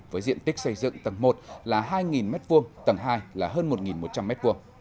với diện tích xây dựng tầng một là hai m hai tầng hai là hơn một một trăm linh m hai